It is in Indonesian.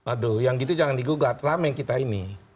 aduh yang gitu jangan digugat lama yang kita ini